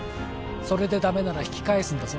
それでダメなら引き返すんだぞ